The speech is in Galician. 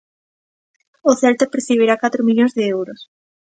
O Celta percibirá catro millóns de euros.